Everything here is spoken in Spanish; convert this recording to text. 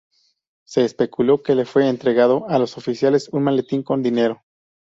Se especuló que le fue entregado a los oficiales un maletín con dinero.